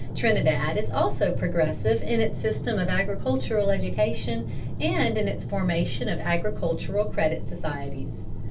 Trinidad is also progressive in its system of agricultural education and in its formation of agricultural credit societies.